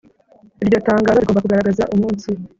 Iryo tangazo rigomba kugaragaza umunsi